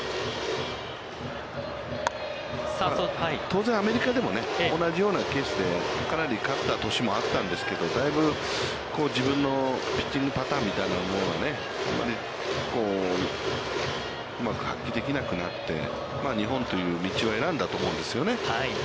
当然アメリカでもね、同じようなケースでかなり勝った年もあったんですけど、だいぶ自分のピッチングパターンみたいなものがね、うまく発揮できなくなって、日本という道を選んだと思うんですよね。